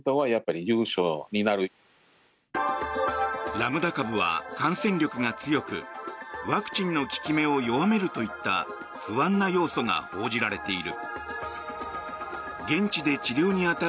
ラムダ株は感染力が強くワクチンの効き目を弱めるといった不安な要素が報じられている。